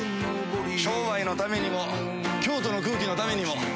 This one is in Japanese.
商売のためにも京都の空気のためにも。